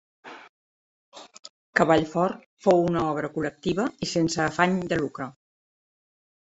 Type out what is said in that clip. Cavall Fort fou una obra col·lectiva i sense afany de lucre.